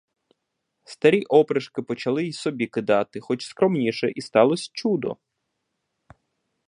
Старі опришки почали й собі кидати, хоч скромніше, і сталось чудо.